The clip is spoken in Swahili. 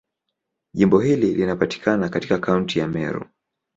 Jimbo hili linapatikana katika Kaunti ya Meru.